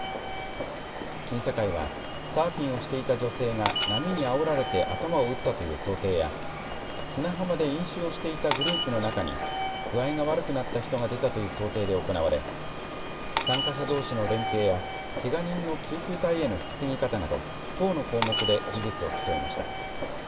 審査会はサーフィンをしていた女性が波にあおられて頭を打ったという想定や砂浜で飲酒をしていたグループの中に、具合が悪くなった人が出たという想定で行われ参加者どうしの連携やけが人の救急隊への引き継ぎ方など１０の項目で技術を競いました。